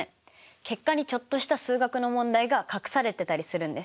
結果にちょっとした数学の問題が隠されてたりするんです。